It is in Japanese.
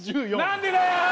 何でだよ！